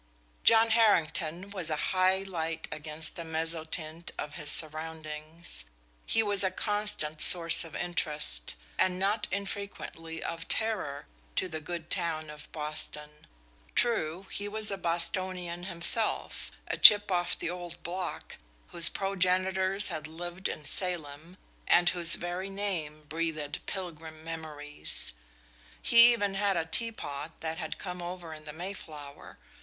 John Harrington was a high light against the mezzotint of his surroundings. He was a constant source of interest, and not infrequently of terror, to the good town of Boston. True, he was a Bostonian himself, a chip of the old block, whose progenitors had lived in Salem, and whose very name breathed Pilgrim memories. He even had a teapot that had come over in the Mayflower.